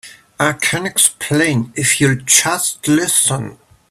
I can explain if you'll just listen.